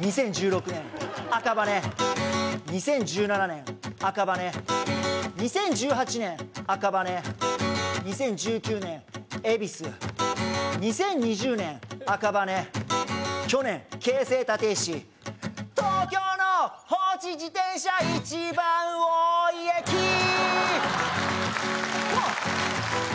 ２０１６年赤羽２０１７年赤羽２０１８年赤羽２０１９年恵比寿２０２０年赤羽去年京成立石東京の放置自転車一番多い駅カモン！